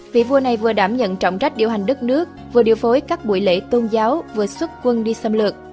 vị vua này vừa đảm nhận trọng trách điều hành đất nước vừa điều phối các buổi lễ tôn giáo vừa xuất quân đi xâm lược